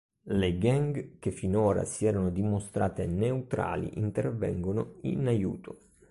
Le gang che finora si erano dimostrate neutrali intervengono in aiuto.